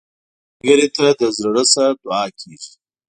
ملګری ته د زړه نه دعا کېږي